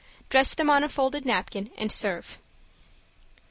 Dress them on a folded napkin, and serve.